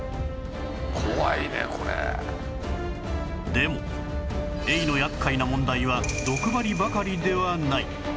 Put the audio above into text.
でもエイの厄介な問題は毒針ばかりではない